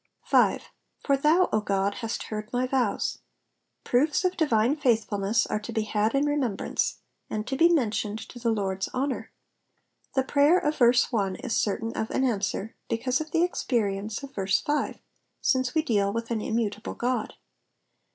5. *'*'FoT thoWy 0 Oody hast heard my wm>«." Proofs of divine faithfulness are to be had in remembrance, and to be mentioned to the Lord's honour. The prayer of verse 1 is certain of an answer because of the experience of verse 6, since we deal with an immutable God.